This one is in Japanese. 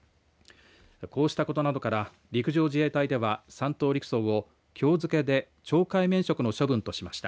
こうしたことなどから陸上自衛隊では３等陸曹をきょう付けで懲戒免職の処分としました。